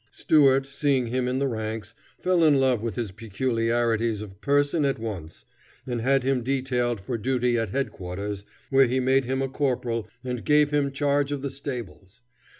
Stuart, seeing him in the ranks, fell in love with his peculiarities of person at once, and had him detailed for duty at head quarters, where he made him a corporal, and gave him charge of the stables.